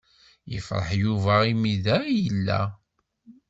Yefṛeḥ Yuba imi da i yella.